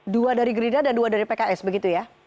dua dari gerindra dan dua dari pks begitu ya